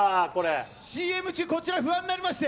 ＣＭ中、こちら不安になりまして。